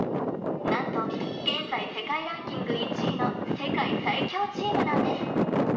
何と現在世界ランキング１位の世界最強チームなんです。